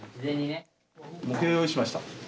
模型を用意しました。